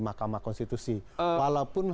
makamah konstitusi walaupun